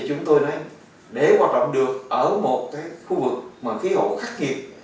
chúng tôi nói để hoạt động được ở một khu vực khí hậu khắc nghiệt